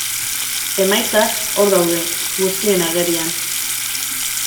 Emaitzak, hor daude, guztien agerian.